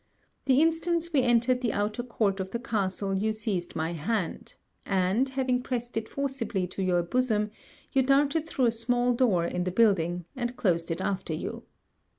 The instant we entered the outer court of the castle you seized my hand; and, having pressed it forcibly to your bosom, you darted through a small side door in the building, and closed it after you.